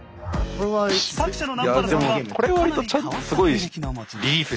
作者の南原さんはかなり変わった経歴の持ち主。